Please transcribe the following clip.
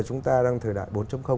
chúng ta đang thời đại bốn